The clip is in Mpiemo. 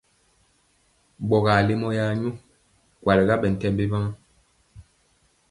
Ɓɔgaa lemɔ ya nyɔ, kwaliga ɓɛntɛmbi wen.